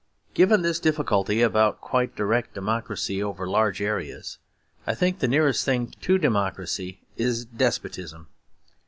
Given this difficulty about quite direct democracy over large areas, I think the nearest thing to democracy is despotism.